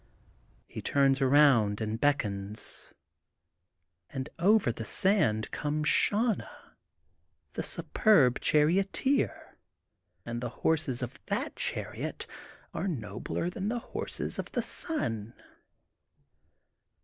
He turns around and beckons and over the sand comes Channa, the superb charioteer, and the horses of that chariot are nobler than the horses of the sun.